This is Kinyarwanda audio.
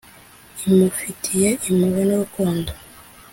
imufitiye impuhwe n’urukundo